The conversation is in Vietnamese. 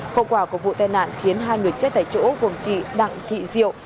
khẩu quả của vụ tai nạn khiến hai người chết tại chỗ gồm chị đặng thị diệu